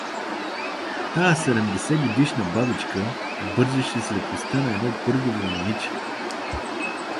Тая седемдесетгодишна бабичка бързаше с лекостта на едно пъргаво момиче!